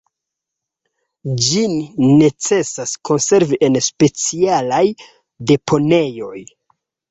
Ĝin necesas konservi en specialaj deponejoj.